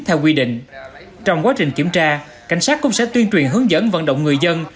theo quy định trong quá trình kiểm tra cảnh sát cũng sẽ tuyên truyền hướng dẫn vận động người dân